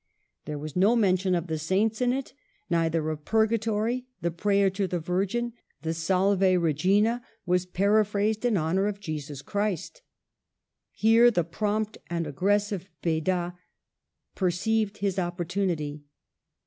There was no mention of the Saints in it, neither of Purgatory ; the prayer to the Virgin, the Salve Regiiia, was paraphrased in honor of Jesus Christ. Here the prompt and aggressive Beda perceived his opportunity.